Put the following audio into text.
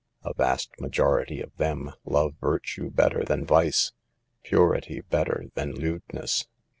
A vast majority of them love virtue better than vice, purity better than lewdness.